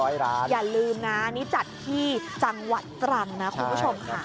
อย่าลืมนะอันนี้จัดที่จังหวัดตรังนะคุณผู้ชมค่ะ